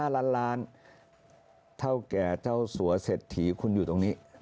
๕ล้านล้านเท่าแก่เจ้าสัวเศรษฐีคุณอยู่ตรงนี้